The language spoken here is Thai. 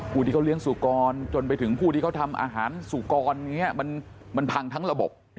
ผู้ที่เขาเลี้ยงสุกรจนไปถึงผู้ที่เขาทำอาหารสุกรอย่างนี้มันพังทั้งระบบ